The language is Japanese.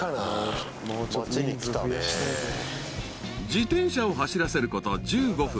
［自転車を走らせること１５分。